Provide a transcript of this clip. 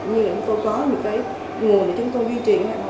như là chúng tôi có những cái nguồn để chúng tôi duy trì